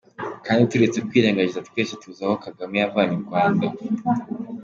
kandi turetse kwirengagiza twese tuzi aho kagame yavanye urwanda.